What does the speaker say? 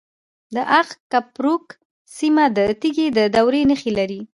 د اق کپروک سیمه د تیږې د دورې نښې لري